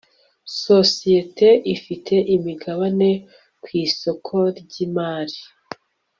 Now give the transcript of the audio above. sosiyete ifite imigabane ku isoko ryimari